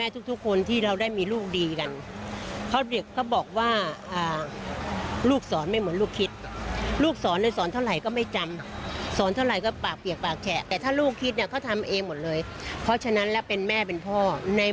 ต้องปรับตัวมุมมองกันยังไง